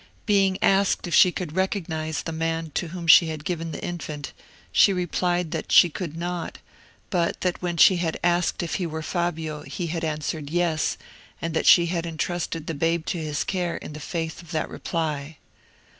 Being asked if she could recognise the man to whom she had given the infant, she replied that she could not; but that when she had asked if he were Fabio, he had answered "yes," and that she had entrusted the babe to his care in the faith of that reply.